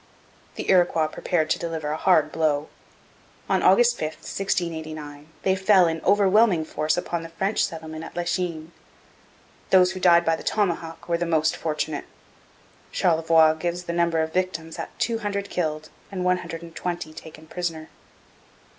The Iroquois prepared to deliver a hard blow. On August 5, 1689, they fell in overwhelming force upon the French settlement at Lachine. Those who died by the tomahawk were the most fortunate. Charlevoix gives the number of victims at two hundred killed and one hundred and twenty taken prisoner.